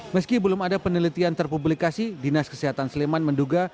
meski belum ada penelitian terpublikasi dinas kesehatan sleman menduga